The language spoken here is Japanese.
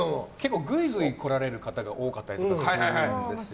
ぐいぐい来られる方が多かったりするんですよ。